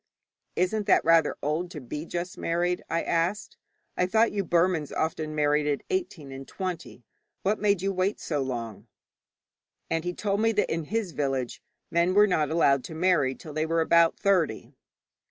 'Isn't that rather old to be just married?' I asked. 'I thought you Burmans often married at eighteen and twenty. What made you wait so long?' And he told me that in his village men were not allowed to marry till they were about thirty.